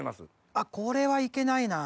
あっこれはいけないなぁ。